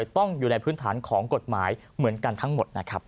ต้องอยู่ในพื้นฐานของกฎหมายเหมือนกันทั้งหมดนะครับ